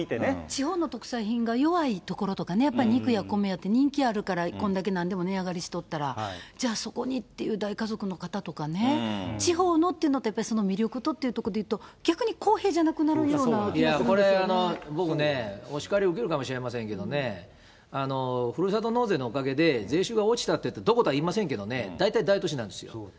地方の特産品が弱い所とかね、やっぱり肉や米やって人気あるからこんだけなんでも値上がりしとったら、じゃあ、そこにっていう大家族の方とかね、地方のっていうのって、やっぱりその魅力とっていうことになると、逆に公平じゃなくなるこれあの、僕ね、お叱り受けるかもしれませんけどね、ふるさと納税のおかげで税収が落ちたっていう、どこかって言いませんけどね、大体大都市なんですよ。